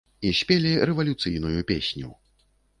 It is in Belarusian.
І спелі рэвалюцыйную песню.